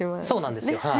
そうなんですよ。